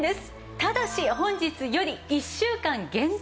ただし本日より１週間限定。